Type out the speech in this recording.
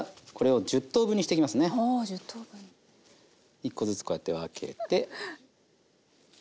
１コずつこうやって分けて。